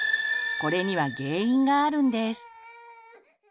これには原因があるんです。